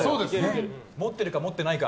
持ってるか、持ってないか。